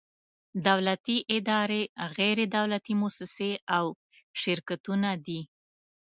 دولتي ادارې، غیر دولتي مؤسسې او شرکتونه دي.